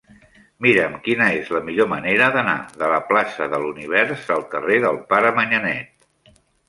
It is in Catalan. Mira'm quina és la millor manera d'anar de la plaça de l'Univers al carrer del Pare Manyanet.